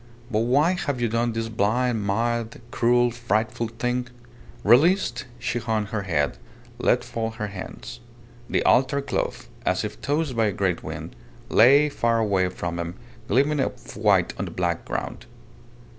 But why have you done this blind, mad, cruel, frightful thing?" Released, she hung her head, let fall her hands. The altar cloth, as if tossed by a great wind, lay far away from them, gleaming white on the black ground.